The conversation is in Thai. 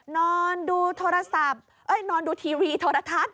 นอนดูโทรศัพท์นอนดูทีวีโทรทัศน์